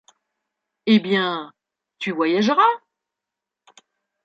Eh bien, tu voyageras !